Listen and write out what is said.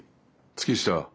月下。